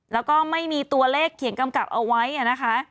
แล้วก็ไม่มีตัวเลขเขียนกำกับเอาไว้นะคะ